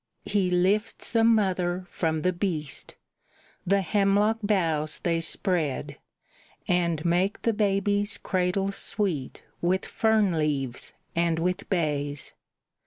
He lifts the mother from the beast; the hemlock boughs they spread, And make the baby's cradle sweet with fern leaves and with bays.